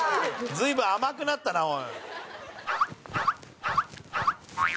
随分甘くなったな、おい。